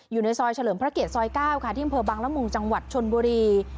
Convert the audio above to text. อยู่ในซอยเฉลิมพระเกียรซอย๙ค่ะที่อำเภอบังละมุงจังหวัดชนบุรี